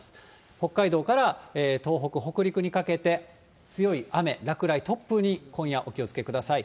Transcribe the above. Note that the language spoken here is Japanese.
北海道から東北、北陸にかけて強い雨、落雷、突風に今夜、お気をつけください。